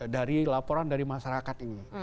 dari laporan dari masyarakat ini